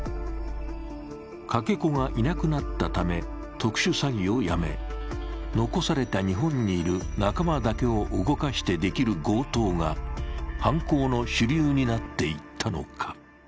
かけ子がいなくなったため特殊詐欺をやめ、残された日本にいる仲間だけを動かしてできる強盗が犯行の主流になっていったのか。